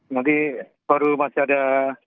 nanti baru masih ada